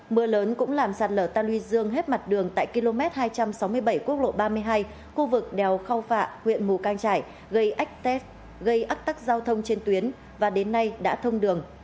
mưa lớn cũng làm sạt lở tà luy dương hết mặt đường tại km hai trăm sáu mươi bảy quốc lộ ba mươi hai khu vực đèo cao phạ huyện mù cang trải gây ách tắc giao thông trên tuyến và đến nay đã thông đường